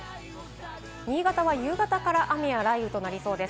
新潟は夕方から雨や雷雨となりそうです。